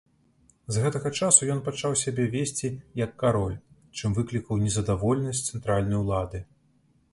З гэтага часу ён пачаў сябе весці як кароль, чым выклікаў незадаволенасць цэнтральнай улады.